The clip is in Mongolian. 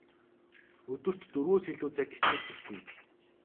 Өдөрт дөрвөөс илүү цаг хичээллэхгүй.